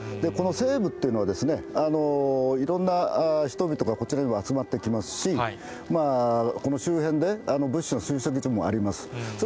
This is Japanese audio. この西部というのは、いろんな人々がこちらにも集まってきますし、この周辺で物資のもあります。